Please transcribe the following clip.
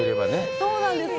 そうなんですよ。